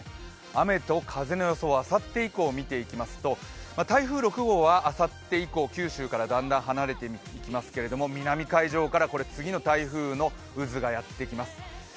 雨と風の予想、あさって以降見ていきますと、台風６号はあさって以降、九州からだんだん離れていきますけど南海上から次の台風の渦がやってきます。